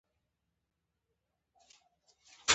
اوسنۍ نړۍ پرمختللې ده او معلوماتو ته اړتیا لري